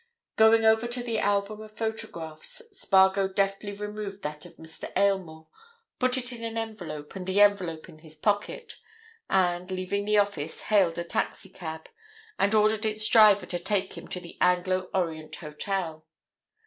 Going over to the album of photographs, Spargo deftly removed that of Mr. Aylmore, put it in an envelope and the envelope in his pocket and, leaving the office, hailed a taxi cab, and ordered its driver to take him to the Anglo Orient Hotel.